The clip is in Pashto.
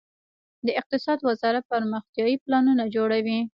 د اقتصاد وزارت پرمختیايي پلانونه جوړوي